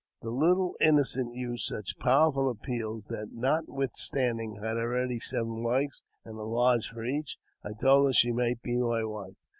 The little innocent used such powerful appeals that, not withstanding I had already seven wives and a lodge for each, I told her she might be my wife.